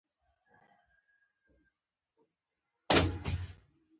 د انسان سکلیټي عضلې د بدن تقریباً وزن جوړوي.